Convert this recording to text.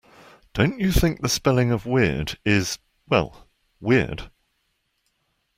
Don't you think the spelling of weird is, well, weird?